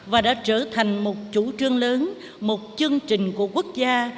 và đã trở thành một chủ trương lớn một chương trình của quốc gia